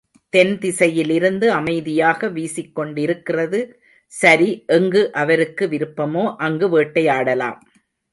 தென் திசையிலிருந்து அமைதியாக வீசிக்கொண்டிருக்கிறது. சரி, எங்கு அவருக்கு விருப்பமோ, அங்கு வேட்டையாடலாம்.